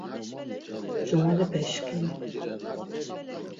Cumalepe-şǩimi…